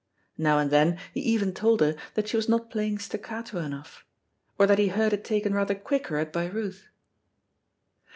Now and then he even told her that she was not playing staccato enough, or that he heard it taken rather quicker at Bayreuth.